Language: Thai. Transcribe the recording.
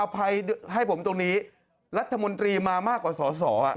ภัยให้ผมตรงนี้รัฐมนตรีมามากกว่าสอสอ